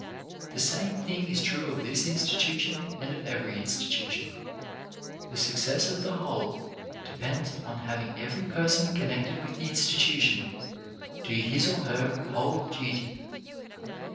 The same thing is true of this institution and of every institution. The success of the whole depends upon having every person connected with the institution do his or her whole duty.